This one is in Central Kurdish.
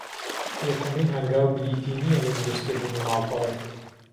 یەکەمین هەنگاو بریتی نییە لە درووست کردنی ماڵپەڕێک